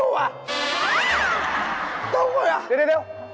แล้วว่ะเดี๋ยว